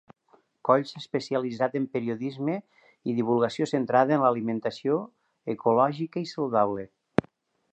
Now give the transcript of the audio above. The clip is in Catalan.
Coll s'ha especialitzat en periodisme i divulgació centrada en l'alimentació ecològica i saludable.